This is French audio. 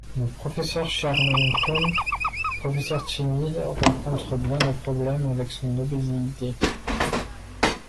Le professeur Sherman Klump, professeur timide, rencontre bien des problèmes avec son obésité.